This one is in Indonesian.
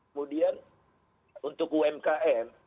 kemudian untuk umkm